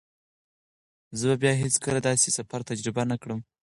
زه به بیا هیڅکله داسې سفر تجربه نه کړم.